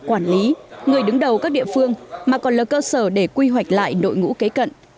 quản lý người đứng đầu các địa phương mà còn là cơ sở để quy hoạch lại đội ngũ kế cận